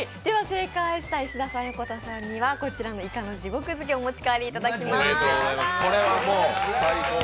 正解した石田さん、横田さんには、こちら、いかの地獄漬けをお持ち帰りいただきます。